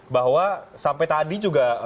bahwa sampai tadi juga